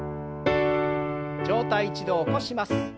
上体一度起こします。